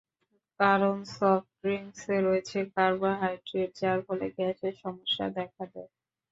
কারণ, সফট ড্রিংকসে রয়েছে কার্বোহাইড্রেট, যার ফলে গ্যাসের সমস্যা দেখা দেয়।